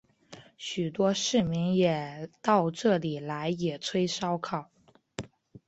许多市民也到这里来野炊烧烤。